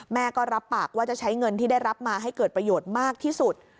แม่ก็รับปากว่าจะใช้เงินที่ได้รับมาให้เกิดประโยชน์มากที่สุด